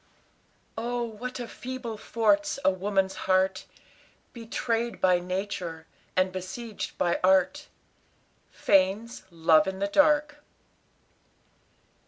Oh, what a feeble fort's a woman's heart, Betrayed by nature, and besieged by art. FANE'S "LOVE IN THE DARK."